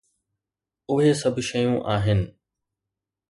اهي سڀ شيون آهن.